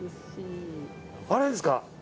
あれですか？